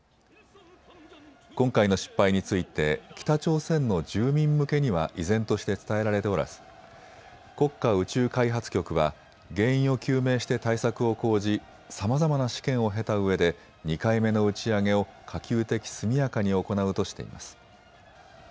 今回の失敗について北朝鮮の住民向けには依然として伝えられておらず国家宇宙開発局は原因を究明して対策を講じ、さまざまな試験を経たうえで２回目の打ち上げを可及的速やかに行うとしています。